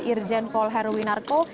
irjen paul heruwinarko